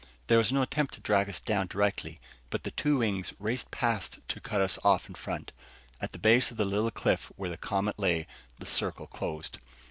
There was no attempt to drag us down directly, but the two wings raced past to cut us off in front. At the base of the little cliff where the Comet lay, the circle closed.